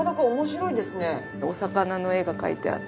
お魚の絵が描いてあって。